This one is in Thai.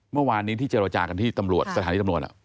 เมื่อวานนี้ที่เจรจากันที่ตำรวจสถานีตำรวจ